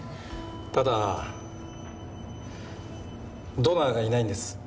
ただドナーがいないんです。